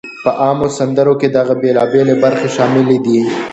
په عامو سندرو کې دغه بېلابېلی برخې شاملې دي: